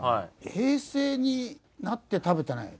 平成になって食べてない。